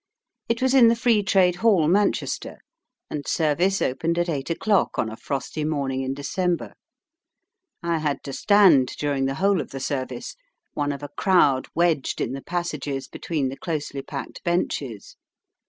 It was in the Free Trade Hall, Manchester, and service opened at eight o'clock on a frosty morning in December. I had to stand during the whole of the service, one of a crowd wedged in the passages between the closely packed benches.